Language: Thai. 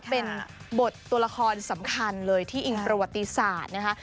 เป็นบทตัวละครสำคัญเลยที่อิงประวัติศาสตร์นะคะ